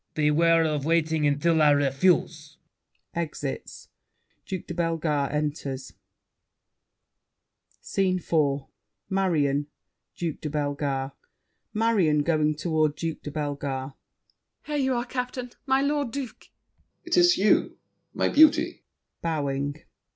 Beware of waiting until I refuse! [Exits. Duke de Bellegarde enters. SCENE IV Marion, Duke de Bellegarde MARION (going toward Duke de Bellegarde). Here you are captain, my lord duke. DUKE DE BELLEGARDE. 'Tis you, My beauty!